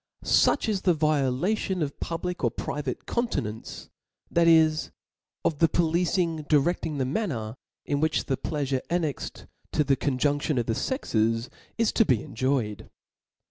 Such is the violation of public or private continence, that is of the police direfting the manner in which the pleafure (jnnexcd to of L A W d. 5^73 to the (tonjundion of thi /exes is to be enjoyed.